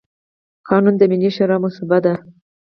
قانون د ملي شورا مصوبه ده.